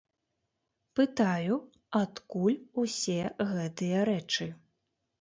Пытаю, адкуль усе гэтыя рэчы.